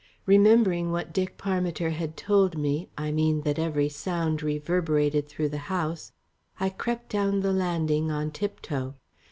Remembering what Dick Parmiter had told me, I mean that every sound reverberated through the house, I crept down the landing on tiptoe.